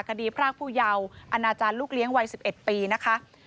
พรากผู้เยาว์อนาจารย์ลูกเลี้ยงวัย๑๑ปีนะคะ